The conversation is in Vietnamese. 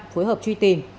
phối hợp truy tìm